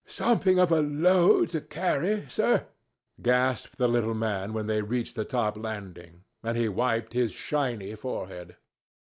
"Something of a load to carry, sir," gasped the little man when they reached the top landing. And he wiped his shiny forehead.